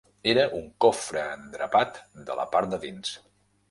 Era un cofre endrapat de la part de dins.